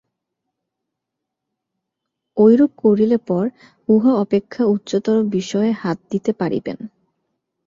ঐরূপ করিলে পর উহা অপেক্ষা উচ্চতর বিষয়ে হাত দিতে পারিবেন।